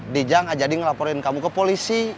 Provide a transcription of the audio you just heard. dija nggak jadi ngelaporin kamu ke polisi